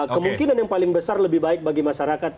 kemungkinan yang paling besar lebih baik bagi masyarakat